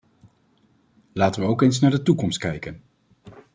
Laten we ook eens naar de toekomst kijken.